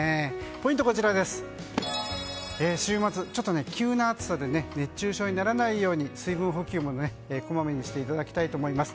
ポイントは週末、急な暑さで熱中症にならないように水分補給をこまめにしていただきたいと思います。